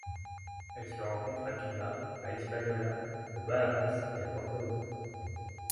Elles se rencontrent à Cuba, à Hispaniola, aux Bahamas et à Porto Rico.